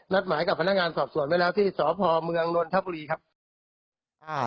นัดหมายกับพนักงานสอบสวนไว้แล้วที่สอบภอมเมืองนวลทะบุรีครับ